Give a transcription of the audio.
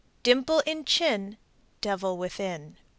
Dimple in chin. Devil within.